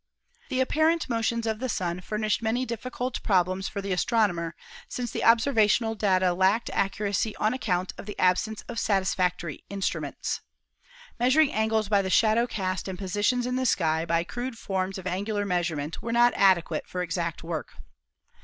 The apparent motions of the Sun furnished many diffi cult problems for the astronomer, since the observational data lacked accuracy on account of the absence of satis factory instruments. Measuring angles by the shadow cast and positions in the sky by crude forms of angular measurement were not adequate for exact work.